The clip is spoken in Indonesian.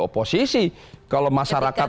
oposisi kalau masyarakat